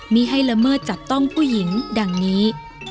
มีให้ละเมิดจับต้องผู้หญิงดังนี้